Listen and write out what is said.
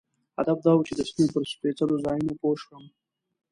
هدف دا و چې د سیمې پر سپېڅلو ځایونو پوه شم.